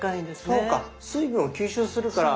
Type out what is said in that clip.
そうか水分を吸収するから。